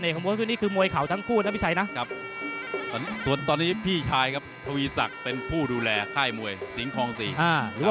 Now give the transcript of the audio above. หรือว่าผู้ใหญ่ห้อยครับผู้ใหญ่ห้อยเรา